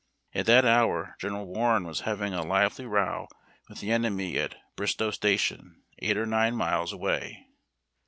At that hour General Warren was having a lively row with the enemy at Bristoe Station, eight or nine miles away.